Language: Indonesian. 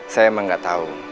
saya emang gak tahu